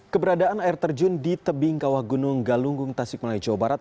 keberadaan air terjun di tebing kawah gunung galunggung tasik malaya jawa barat